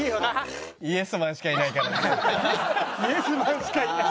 イエスマンしかいない。